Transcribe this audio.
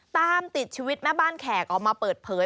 ตามติดชีวิตแม่บ้านแขกออกมาเปิดเผย